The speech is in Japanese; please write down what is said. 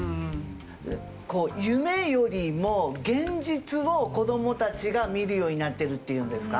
こう夢よりも現実を子どもたちが見るようになってるっていうんですか？